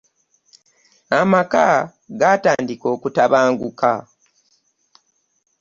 amaka gaatandika okutabanguka